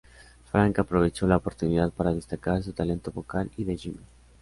Frank aprovechó la oportunidad para destacar su talento vocal y de Jimmy.